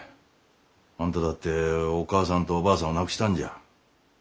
あんただってお母さんとおばあさんを亡くしたんじゃ。